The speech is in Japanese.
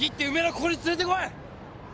ここに連れてこい！